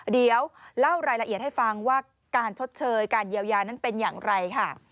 เดี๋ยวเล่ารายละเอียดให้ฟังว่าการชดเชยการเยียวยานั้นเป็นอย่างไรค่ะ